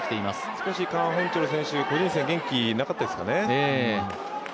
少しカン・ホンチョル選手個人戦で元気がなかったですから。